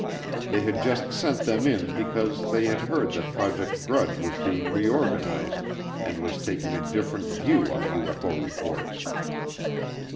They had just sent them in because they had heard that Project Grudge was being reorganized and was taking a different view on UFO reports.